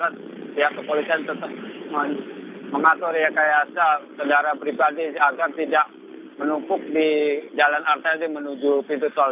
dan pihak kepolisian tetap mengatur rekayasa kendaraan pribadi agar tidak menumpuk di jalan arteri menuju pintu tol